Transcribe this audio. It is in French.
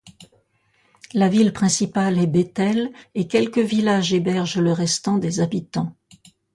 La ville principale est Bethel et quelques villages hébergent le restant des habitants.